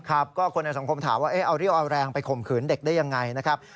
ครับก็คนในสังคมถามว่าเอาเรี่ยวเอาแรงไปข่มขืนเด็กได้ยังไงนะครับ